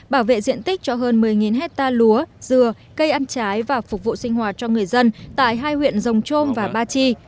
bảo vệ diện tích cho hơn một mươi hectare lúa dừa cây ăn trái và phục vụ sinh hoạt cho người dân tại hai huyện rồng trôm và ba chi